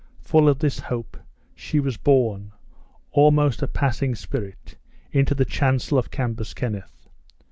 Full of this hope, she was borne, almost a passing spirit, into the chancel of Cambus Kenneth.